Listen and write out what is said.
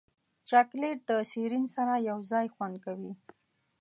چاکلېټ د سیرین سره یوځای خوند کوي.